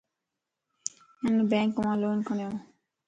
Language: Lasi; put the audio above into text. ھن بينڪ مان لون کَڙيوَ